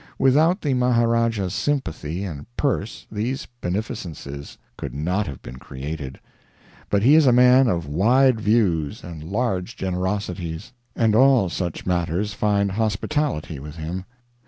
Without the Maharaja's sympathy and purse these beneficences could not have been created; but he is a man of wide views and large generosities, and all such matters find hospitality with him.